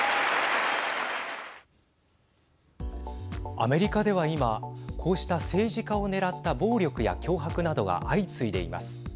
アメリカでは今こうした政治家を狙った暴力や脅迫などが相次いでいます。